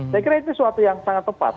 saya kira itu suatu yang sangat tepat